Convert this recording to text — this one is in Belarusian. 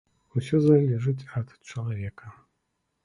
Усё залежыць ад чалавека.